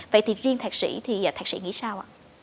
vậy thì riêng thạc sĩ thì thạc sĩ nghĩ sao ạ